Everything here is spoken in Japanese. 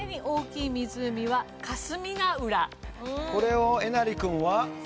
これをえなり君は？